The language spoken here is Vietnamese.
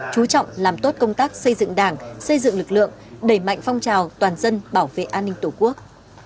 chú trọng làm tốt công tác xây dựng đảng xây dựng lực lượng đẩy mạnh phong trào toàn dân bảo vệ an ninh tổ quốc